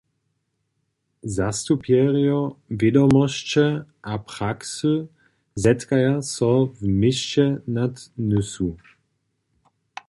Zastupjerjo wědomosće a praksy zetkaja so w měsće nad Nysu.